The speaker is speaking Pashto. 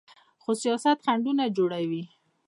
خو سیاست خنډونه جوړوي.